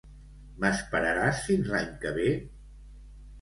M'esperaràs fins l'any que ve?